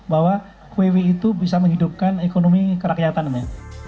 bahwa vw itu bisa menghidupkan ekonomi kerakyatannya